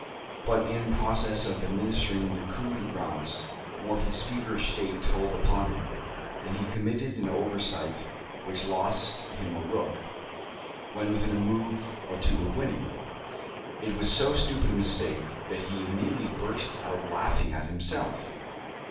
But, in process of administering the coup de grace, Morphy's feverish state told upon him, and he committed an oversight which lost him a rook, when within a move or two of winning. It was so stupid a mistake, that he immediately burst out laughing at himself.